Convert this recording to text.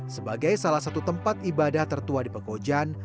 sebagai salah satu tempat ibadah tertua di pekojan